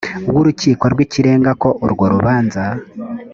w urukiko rw ikirenga ko urwo rubanza